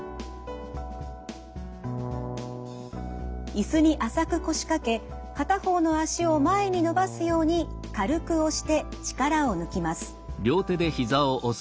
椅子に浅く腰掛け片方の脚を前に伸ばすように軽く押して力を抜きます。